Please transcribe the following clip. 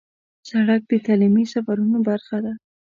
سړک د تعلیمي سفرونو برخه ده.